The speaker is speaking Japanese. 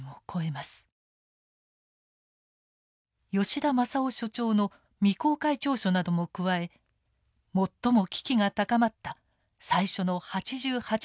吉田昌郎所長の未公開調書なども加え最も危機が高まった最初の８８時間を映像化しました。